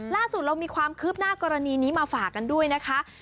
ล่าสุดเรามีความคืบหน้ากรณีนี้มาฝากกันด้วยนะคะ